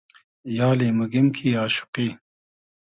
یالی موگیم کی آشوقی